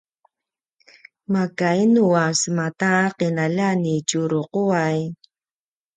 maka inu a sema ta qinaljan i Tjuruquay?